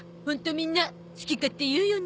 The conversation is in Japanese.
みんな好き勝手言うよね。